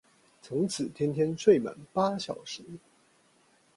從此天天睡滿八小時